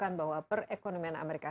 ini lembaga penelitian remaining cow agricult